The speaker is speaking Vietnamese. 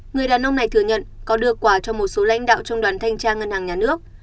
người đàn ông này thừa nhận có đưa quà cho một số lãnh đạo trong đoàn thanh tra ngân hàng nhà nước